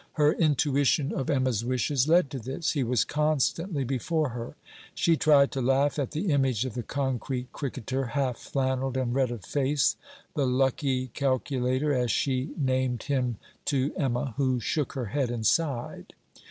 Her intuition of Emma's wishes led to this; he was constantly before her. She tried to laugh at the image of the concrete cricketer, half flannelled, and red of face: the 'lucky calculator,' as she named him to Emma, who shook her head, and sighed.